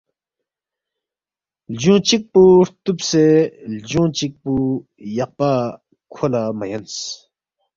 لجونگ چِک پو ہرتُوبسے لجونگ چِک پو یقپا کھو لہ مہ یَنس